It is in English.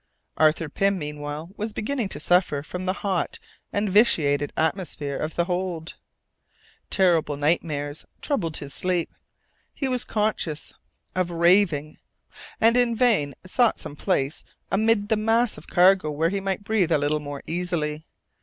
Arthur Pym, meanwhile, was beginning to suffer from the hot and vitiated atmosphere of the hold. Terrible nightmares troubled his sleep. He was conscious of raving, and in vain sought some place amid the mass of cargo where he might breathe a little more easily.